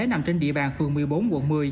nằm trên địa bàn phường một mươi bốn quận một mươi